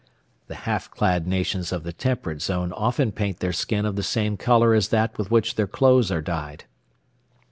*(* The half clad nations of the temperate zone often paint their skin of the same colour as that with which their clothes are dyed.)